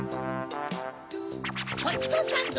ホットサンド